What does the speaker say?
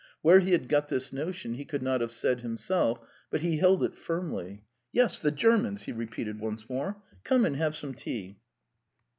Where he had got this notion he could not have said himself, but he held it firmly. "Yes, the Germans!" he repeated once more. "Come and have some tea."